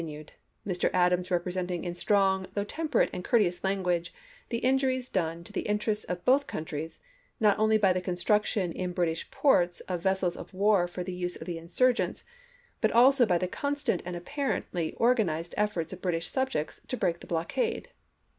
tinned ; Mr. Adams representing in strong, though temperate and courteous language, the injuries done to the interests of both countries not only by the construction in British ports of vessels of 60 ABKAHAM LINCOLN Chap. in. War for the use of the insurgents, but also by the constant and apparently organized efforts of British subjects to break the blockade.